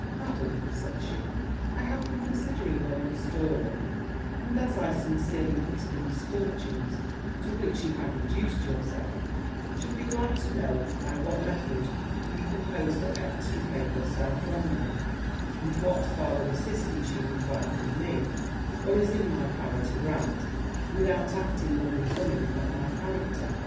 'Madam,' said she, 'I have been considering on your story; and as I sincerely pity the misfortunes to which you have reduced yourself, should be glad to know by what method you propose to extricate yourself from them, and what farther assistance you require from me, or is in my power to grant, without acting unbecoming of my character.'